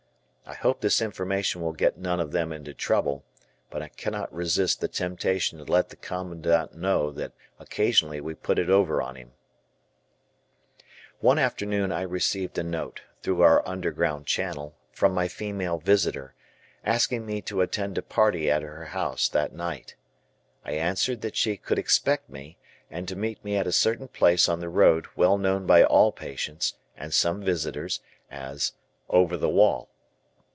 I hope this information will get none of them into trouble, but I cannot resist the temptation to let the Commandant know that occasionally we put it over on him. {Photo: A "Downhearted" Bunch from Munsey Ward, American Women's War Hospital.} One afternoon I received a note, through our underground channel, from my female visitor, asking me to attend a party at her house that night. I answered that she could expect me and to meet me at a certain place on the road well known by all patients, and some visitors, as "Over the wall."